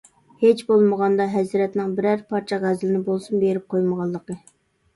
ھېچ بولمىغاندا ھەزرەتنىڭ بىرەر پارچە غەزىلىنى بولسىمۇ بېرىپ قويمىغانلىقى.